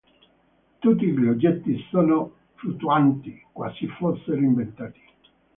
Tutti gli oggetti sono fluttuanti, quasi fossero inventati.